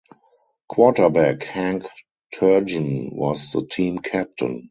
Quarterback Hank Turgeon was the team captain.